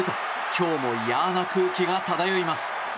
今日も嫌な空気が漂います。